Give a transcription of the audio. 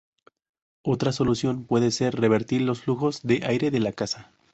Otra solución puede ser revertir los flujos de aire de la casa.